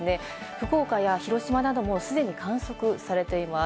福岡や広島などもすでに観測されています。